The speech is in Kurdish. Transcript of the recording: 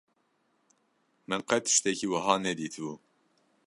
Min qet tiştekî wiha nedîtibû.